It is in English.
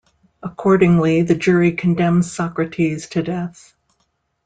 Accordingly, the jury condemns Socrates to death.